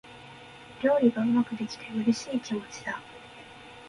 料理がうまくできて、嬉しい気持ちだ。